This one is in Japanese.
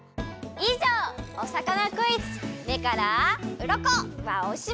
いじょう「お魚クイズ目からうろこ」はおしまい！